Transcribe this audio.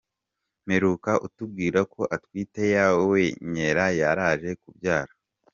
Mperuka utubwira ko atwite yawenyera yaraje kubyara.